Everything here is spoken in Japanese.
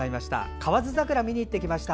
河津桜を見に行ってきました。